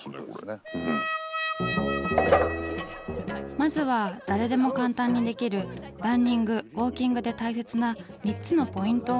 まずは誰でも簡単にできるランニングウォーキングで大切な３つのポイントを教えて頂くことに。